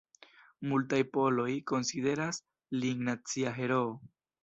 Multaj poloj konsideras lin nacia heroo.